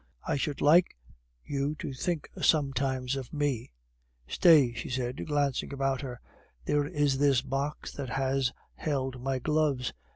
I should like you to think sometimes of me. Stay," she said, glancing about her, "there is this box that has held my gloves.